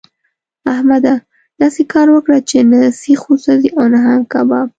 احمده! داسې کار وکړه چې نه سيخ وسوځي او نه هم کباب.